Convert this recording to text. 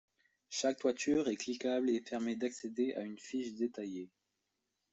Chaque toiture est cliquable et permet d'accéder à une fiche détaillée.